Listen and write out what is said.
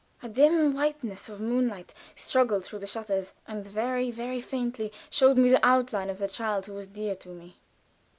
A dim whiteness of moonlight struggled through the shutters, and very, very faintly showed me the outline of the child who was dear to me.